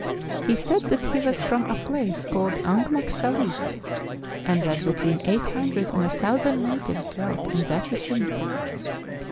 He said that he v/as from a place called Angmagsalik, and that between eight hundred and a thousand natives dwelt in that vicinity.